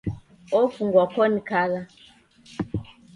Ofungwa koni kala.